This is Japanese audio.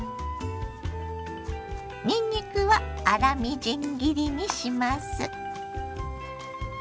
にんにくは粗みじん切りにします。